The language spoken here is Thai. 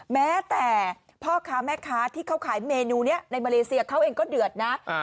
แม้แต่พ่อค้าแม่ค้าที่เขาขายเมนูนี้ในมาเลเซียเขาเองก็เดือดนะ